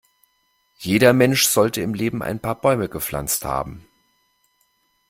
Jeder Mensch sollte im Leben ein paar Bäume gepflanzt haben.